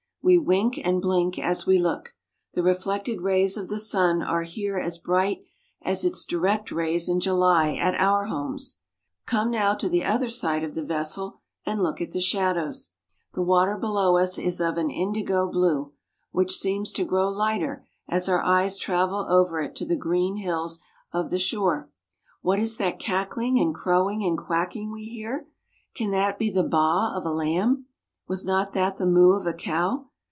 We wink and blink as we look. The reflected rays of the sun are here as bright as its direct rays in July at our homes. Come now to the other side of the vessel and look at the shadows. The water below us is of an indigo blue, which seems to grow lighter as our eyes travel over it to the green hills of the shore. •• What is that cackling and crowing and quacking we hear? Can that be the baa of a lamb? Was not that the moo of a cow?